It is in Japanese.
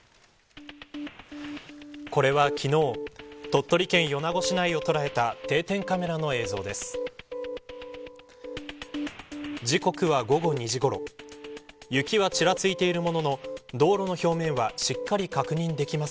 これは昨日鳥取県米子市内を捉えた定点カメラの映像です。